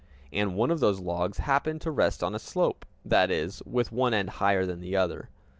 And one of these logs happened to rest on a slope, that is, with one end higher than the other.